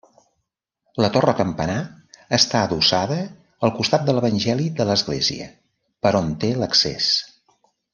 La torre-campanar està adossada al costat de l'Evangeli de l'església, per on té l'accés.